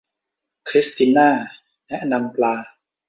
คริสติน่าแนะนำปลา